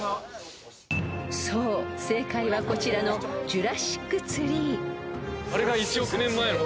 ［そう正解はこちらのジュラシック・ツリー］